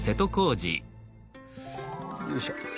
よいしょ。